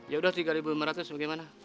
ya udah tiga ribu lima ratus bagaimana